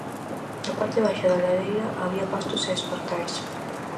Na parte baixa da ladeira había pastos e espartais.